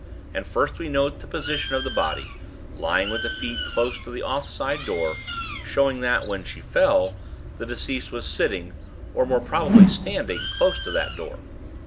And first we note the position of the body, lying with the feet close to the off side door, showing that, when she fell, the deceased was sitting, or more probably standing, close to that door.